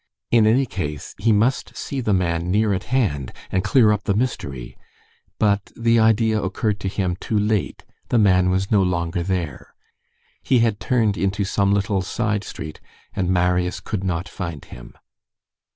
In any case, he must see the man near at hand, and clear up the mystery. But the idea occurred to him too late, the man was no longer there. He had turned into some little side street, and Marius could not find him.